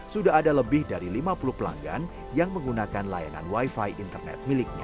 sudah ada lebih dari lima puluh pelanggan yang menggunakan layanan wifi internet miliknya